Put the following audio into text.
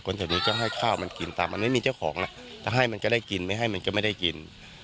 แถวนี้ก็ให้ข้าวมันกินตามมันไม่มีเจ้าของจะให้มันก็ได้กินไม่ให้มันก็ไม่ได้กิน